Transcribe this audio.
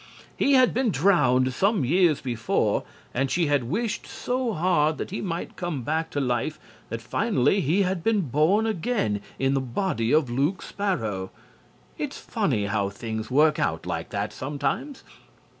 He had been drowned some years before and she had wished so hard that he might come back to life that finally he had been born again in the body of Luke Sparrow. It's funny how things work out like that sometimes.